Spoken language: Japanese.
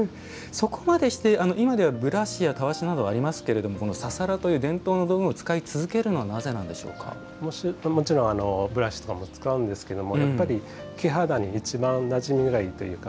そこまでして今ではブラシや、たわしなどがありますけどこのササラという伝統の道具を使い続けるのはもちろんブラシとかも使うんですけどもやっぱり、木肌に一番なじみがいいというか。